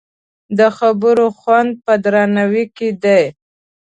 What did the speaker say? د خبرو خوند په درناوي کې دی